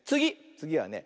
つぎはね